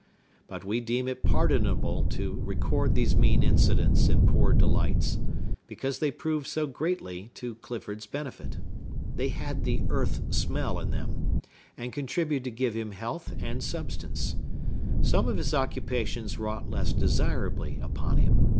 But we deem it pardonable to record these mean incidents and poor delights, because they proved so greatly to Clifford's benefit. They had the earth smell in them, and contributed to give him health and substance. Some of his occupations wrought less desirably upon him.